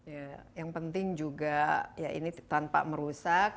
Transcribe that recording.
ya yang penting juga ya ini tanpa merusak